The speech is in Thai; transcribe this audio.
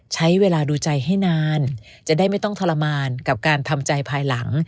ใช้เวลาดูใจให้นานจะได้ไม่ต้องทรมานกับการทำใจภายหลัง